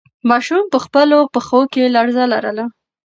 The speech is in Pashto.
ماشوم په خپلو پښو کې لړزه لرله.